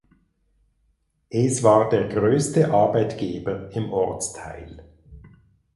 Es war der größte Arbeitgeber im Ortsteil.